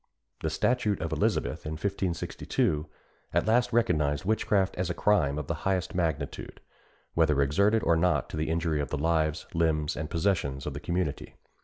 The statute of Elizabeth, in 1562, at last recognised witchcraft as a crime of the highest magnitude, whether exerted or not to the injury of the lives, limbs, and possessions of the community.